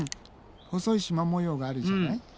細い縞模様があるじゃない？